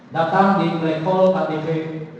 datang di playhall ktp ma